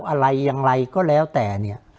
อะไรอย่างไรก็แล้วแต่เนี่ย